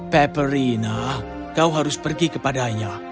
peperina kau harus pergi kepadanya